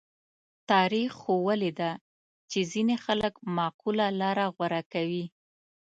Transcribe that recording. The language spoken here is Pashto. تاریخ ښوولې ده چې ځینې خلک معقوله لاره غوره کوي.